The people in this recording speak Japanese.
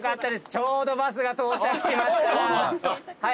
ちょうどバスが到着しました。